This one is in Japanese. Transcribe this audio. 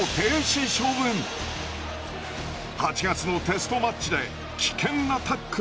８月のテストマッチで危険なタックルを行ったのです。